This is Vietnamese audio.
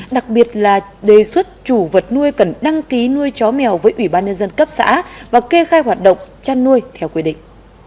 đặc biệt là đề xuất chủ vật nuôi cần đăng ký nuôi chó mèo với ủy ban nhân dân cấp xã và kê khai hoạt động chăn nuôi theo quy định